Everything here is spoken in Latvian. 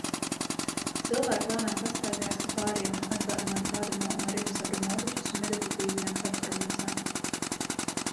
Cilvēki lēnām pastaigājas pa pāriem, atgādinot kādu no Marinas Abramovičas meditatīvajām performancēm.